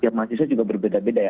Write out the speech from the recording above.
ya mahasiswa juga berbeda beda ya